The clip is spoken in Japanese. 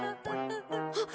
あっ！